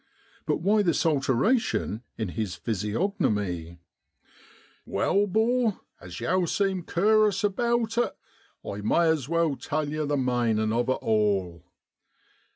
But why this alteration in his physiognomy ?' Wai, 'bor, as yow seem cur'ous about it, I may as well tell yer the manein 5 of it all.